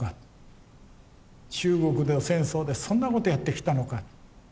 中国での戦争でそんなことやってきたのか。